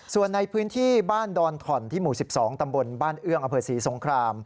ส่วนในพื้นที่บ้านดอนถ่อนที่หมู่๑๒ตำบลบ้านเอื้องอำเภอศรีสงคราม